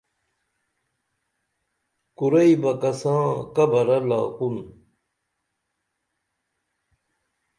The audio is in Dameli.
کُرئی بہ کساں قبرہ لاکُن